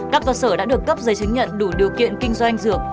các cơ sở đã được cấp giấy chứng nhận đủ điều kiện kinh doanh dược